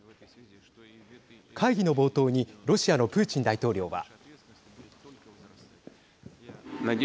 会議の冒頭にロシアのプーチン大統領は。